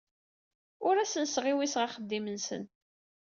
Ur asen-sɣiwiseɣ axeddim-nsen.